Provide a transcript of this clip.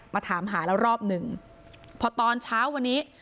มาถามหาแล้วรอบหนึ่งพอตอนเช้าวันนี้